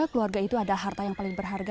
keluarga itu ada harta yang paling berharga